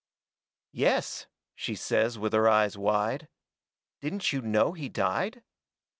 "Yes," she says, with her eyes wide, "didn't you know he died?"